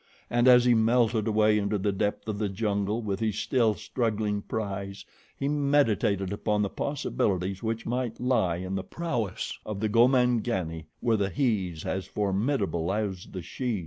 And as he melted away into the depth of the jungle with his still struggling prize, he meditated upon the possibilities which might lie in the prowess of the Gomangani were the hes as formidable as the shes.